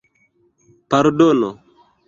pardono